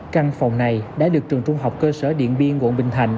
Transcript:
căn phòng này đã được trường trung học cơ sở điện biên quận bình thành